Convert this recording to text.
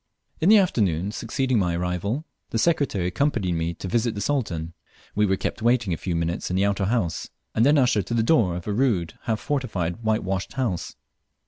In the afternoon succeeding my arrival, the Secretary accompanied me to visit the Sultan. We were kept waiting a few minutes in an outer gate house, and then ushered to the door of a rude, half fortified whitewashed house.